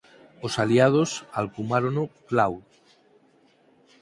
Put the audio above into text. Os aliados alcumárono "Claude".